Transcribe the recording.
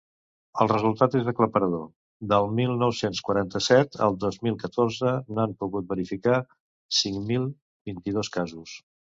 El resultat és aclaparador: del mil nou-cents quaranta-set al dos mil catorze n’han pogut verificar cinc mil vint-i-dos casos.